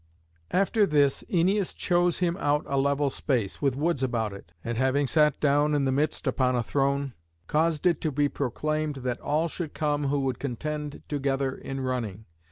After this Æneas chose him out a level space, with woods about it, and having sat down in the midst upon a throne, caused it to be proclaimed that all should come who would contend together in running.